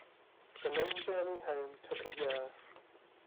The long journey home took a year.